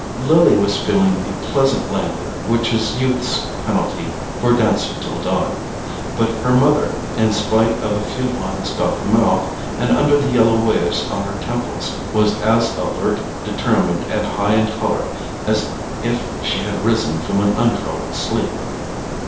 Lily was feeling the pleasant languor which is youth's penalty for dancing till dawn; but her mother, in spite of a few lines about the mouth, and under the yellow waves on her temples, was as alert, determined and high in colour as if she had risen from an untroubled sleep.